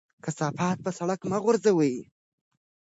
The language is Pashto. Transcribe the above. کثافات په سړک مه غورځوئ.